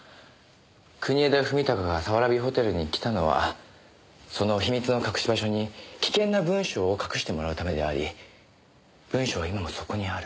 国枝史貴が早蕨ホテルに来たのはその秘密の隠し場所に危険な文書を隠してもらうためであり文書は今もそこにある。